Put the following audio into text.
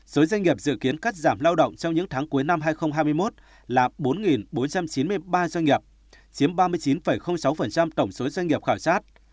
số doanh nghiệp dự kiến cắt giảm lao động trong những tháng cuối năm hai nghìn hai mươi một là bốn bốn trăm chín mươi ba doanh nghiệp chiếm ba mươi chín sáu tổng số doanh nghiệp khảo sát